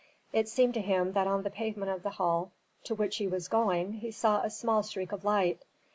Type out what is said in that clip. It seemed to him that on the pavement of the hall to which he was going he saw a small streak of light.